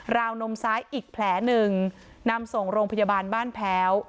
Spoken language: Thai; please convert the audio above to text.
วนมซ้ายอีกแผลหนึ่งนำส่งโรงพยาบาลบ้านแพ้ว